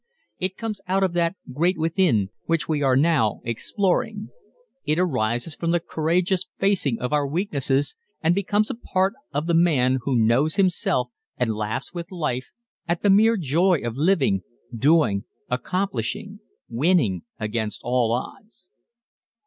It comes out of that "great within" which we are now exploring. It arises from the courageous facing of our weaknesses and becomes a part of the man who knows himself and laughs with life, at the mere joy of living, doing, accomplishing ... winning against all odds.